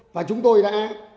và chúng tôi đã